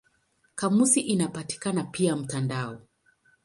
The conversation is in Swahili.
Kamusi inapatikana pia mtandaoni.